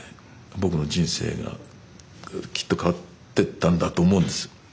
僕の人生がきっと変わってったんだと思うんです。